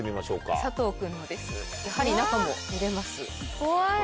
佐藤君のですやはり中も見れます。